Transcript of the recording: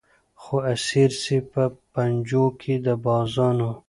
خو اسیر سي په پنجو کي د بازانو